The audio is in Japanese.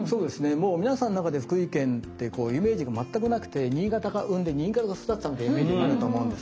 もう皆さんの中で福井県ってイメージが全くなくて新潟が生んで新潟が育てたってイメージになると思うんですが。